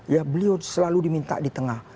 ya beliau selalu diminta di tengah